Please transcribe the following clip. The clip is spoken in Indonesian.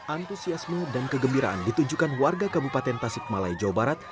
antusiasme dan kegembiraan ditunjukkan warga kabupaten tasikmalaya jawa barat